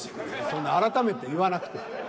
そんな改めて言わなくても。